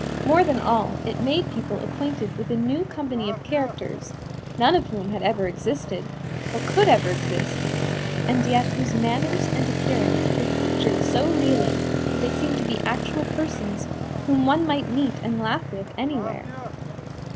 More than all, it made people acquainted with a new company of characters, none of whom had ever existed, or could ever exist, and yet whose manners and appearance were pictured so really that they seemed to be actual persons whom one might meet and laugh with anywhere.